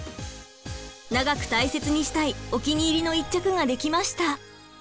長く大切にしたいお気に入りの一着が出来ました！